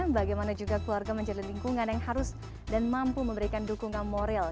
bagaimana juga keluarga menjadi lingkungan yang harus dan mampu memberikan dukungan moral